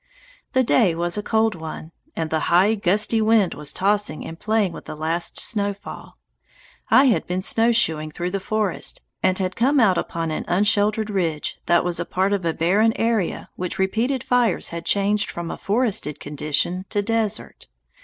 The day was a cold one, and the high, gusty wind was tossing and playing with the last snow fall. I had been snowshoeing through the forest, and had come out upon an unsheltered ridge that was a part of a barren area which repeated fires had changed from a forested condition to desert.